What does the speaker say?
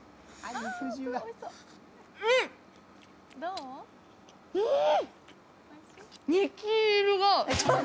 うん！